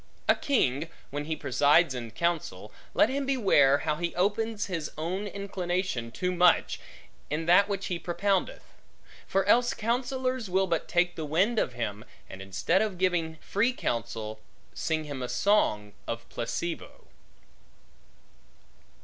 A king, when he presides in counsel, let him beware how he opens his own inclination too much, in that which he propoundeth; for else counsellors will but take the wind of him, and instead of giving free counsel, sing him a song of placebo.